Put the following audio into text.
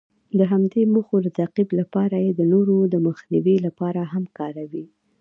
د همدې موخو د تعقیب لپاره یې د نورو د مخنیوي لپاره هم کاروي.